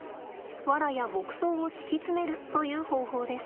ワラや牧草を敷き詰めるという方法です。